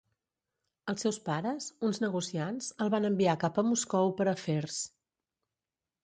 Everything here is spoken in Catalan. Els seus pares, uns negociants, el van enviar cap a Moscou per afers.